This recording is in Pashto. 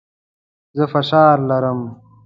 زه فشار لرم.